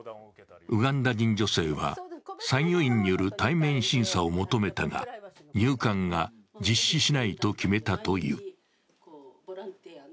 ウガンダ人女性は参与員による対面審査を求めたが、入管が実施しないと決めたという。